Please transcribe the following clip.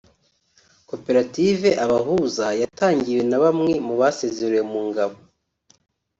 Koperative Abahuza yatangiwe na bamwe mu basezerewe mu ngabo